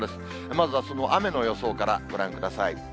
まずはその雨の予想からご覧ください。